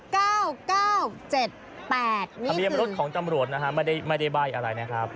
ทะเบียนรถของตำรวจนะฮะไม่ได้ใบ้อะไรนะครับ